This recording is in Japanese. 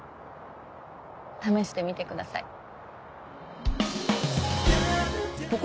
試してみてください。